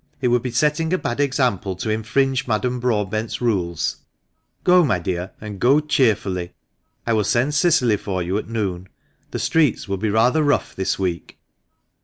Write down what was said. It would be setting a bad example to infringe Madame Broadbent's rules. Go, my dear, and go cheerfully. I will send Cicily for you at noon. The streets will be rather rough this week."